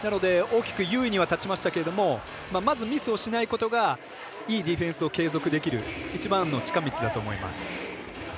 大きく優位には立ちましたけどまずミスをしないことがいいディフェンスを継続できる一番の近道だと思います。